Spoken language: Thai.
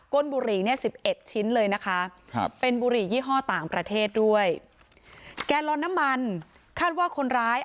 ก้นบุหรี่๑๑ชิ้นเลยนะคะ